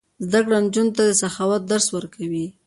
زده کړه نجونو ته د سخاوت درس ورکوي.